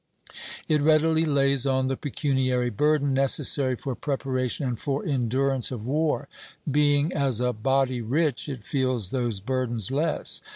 It readily lays on the pecuniary burden necessary for preparation and for endurance of war. Being as a body rich, it feels those burdens less.